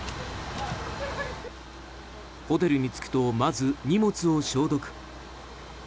ホテルに着くとまず荷物を消毒。